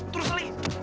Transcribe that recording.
terus lagi eh terus